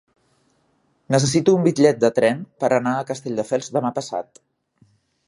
Necessito un bitllet de tren per anar a Castelldefels demà passat.